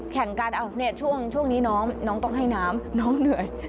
แข่งกันช่วงนี้น้องต้องให้น้ำน้องเหนื่อย